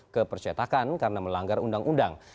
ke percetakan karena melanggar undang undang